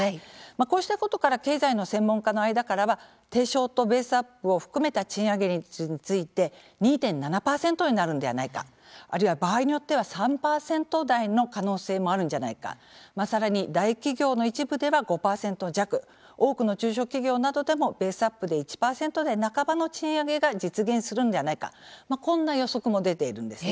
こうしたことから経済の専門家の間からは定昇とベースアップを含めた賃上げ率について２．７％になるんではないかあるいは場合によっては３％台の可能性もあるんじゃないかさらに大企業の一部では５％弱多くの中小企業などでもベースアップで１％台半ばの賃上げが実現するんではないかこんな予測も出ているんですね。